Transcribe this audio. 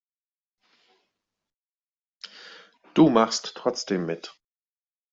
Du machst trotzdem mit.